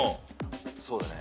そうだね。